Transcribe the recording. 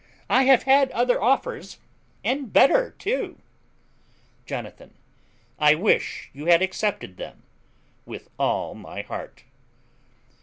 I have had other offers, and better too. Jonathan. I wish you had accepted them with all my heart.